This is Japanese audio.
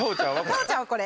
太鳳ちゃんはこれ！